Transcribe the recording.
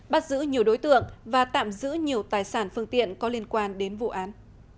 bắt giữ nhiều đối tượng và tạm giữ nhiều tài sản phương tiện có liên quan đến vụ án